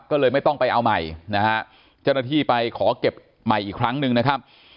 ก็เลยไม่ต้องไปเอาใหม่นะฮะเจ้าหน้าที่ไปขอเก็บใหม่อีกครั้งหนึ่งนะครับ